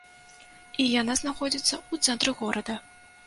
І яна знаходзіцца ў цэнтры горада.